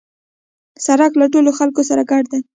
سړک له ټولو خلکو سره ګډ دی.